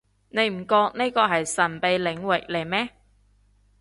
你唔覺呢個係神秘領域嚟咩